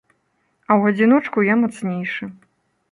А ў адзіночку я мацнейшы.